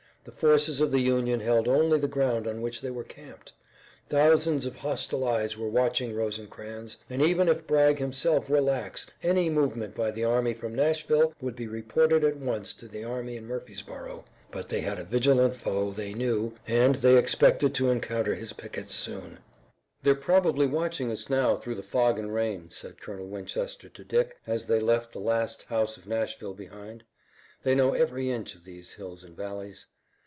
The forces of the Union held only the ground on which they were camped. Thousands of hostile eyes were watching Rosecrans, and, even if Bragg himself were lax, any movement by the army from Nashville would be reported at once to the army in Murfreesborough. But they had a vigilant foe, they knew, and they expected to encounter his pickets soon. "They're probably watching us now through the fog and rain," said Colonel Winchester to Dick as they left the last house of Nashville behind. "They know every inch of these hills and valleys."